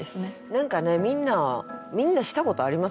何かねみんなみんなしたことありますもんね。